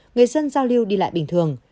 người dân giao lưu đi lại bình thường